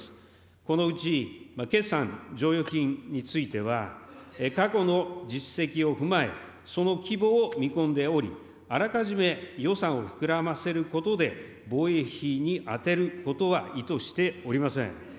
このうち、決算剰余金については、過去の実績を踏まえ、その規模を見込んでおり、あらかじめ予算を膨らませることで、防衛費に充てることは意図しておりません。